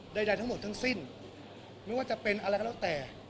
ใดทั้งหมดทั้งสิ้นไม่ว่าจะเป็นอะไรก็แล้วแต่